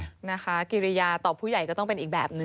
นะคะกิริยาต่อผู้ใหญ่ก็ต้องเป็นอีกแบบหนึ่ง